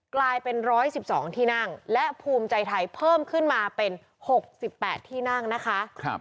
กลายเป็น๑๑๒ที่นั่งและภูมิใจไทยเพิ่มขึ้นมาเป็น๖๘ที่นั่งนะคะ